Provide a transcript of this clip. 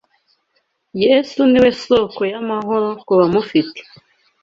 Yesu niwe soko y’amahoro kubamufite